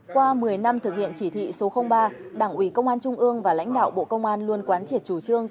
qua một mươi năm thực hiện chỉ thị số ba đảng ủy công an trung ương và lãnh đạo bộ công an luôn quán triệt chủ trương